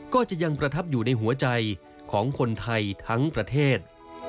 ก็จะยังประทับอยู่ในหัวใจของคนไทยทั้งประเทศ